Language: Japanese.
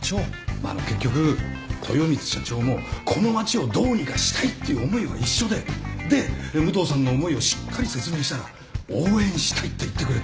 まあ結局豊光社長もこの町をどうにかしたいっていう思いは一緒でで武藤さんの思いをしっかり説明したら応援したいって言ってくれて。